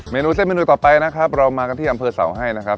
นูเส้นเมนูต่อไปนะครับเรามากันที่อำเภอเสาให้นะครับ